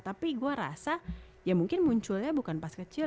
tapi gue rasa ya mungkin munculnya bukan pas kecil